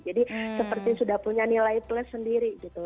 jadi seperti sudah punya nilai plus sendiri gitu